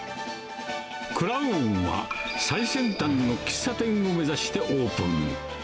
クラウンは最先端の喫茶店を目指してオープン。